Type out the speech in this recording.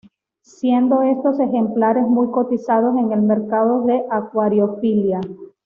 Siendo estos ejemplares muy cotizados en el mercado de acuariofilia.